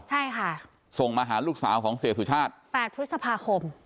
ใช่ค่ะส่งมาหาลูกสาวของเสียสุชาติ๘พฤษภาคม